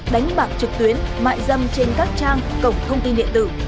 đánh bạc trực tuyến mại dâm trên các trang cổng thông tin điện tử